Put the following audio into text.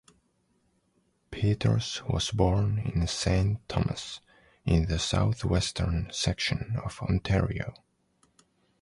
Peters was born in Saint Thomas, in the southwestern section of Ontario.